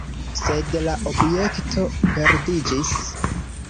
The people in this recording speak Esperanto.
Sed la objekto perdiĝis.